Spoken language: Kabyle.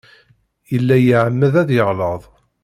Yella iεemmed ad yeɣleḍ.